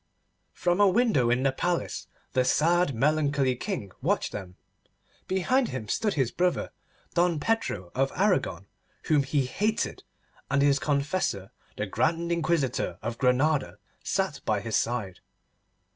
From a window in the palace the sad melancholy King watched them. Behind him stood his brother, Don Pedro of Aragon, whom he hated, and his confessor, the Grand Inquisitor of Granada, sat by his side.